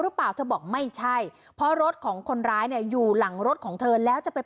หรือเปล่าเธอบอกไม่ใช่เพราะรถของคนร้ายเนี่ยอยู่หลังรถของเธอแล้วจะไป